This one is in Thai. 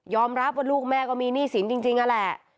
รับว่าลูกแม่ก็มีหนี้สินจริงนั่นแหละ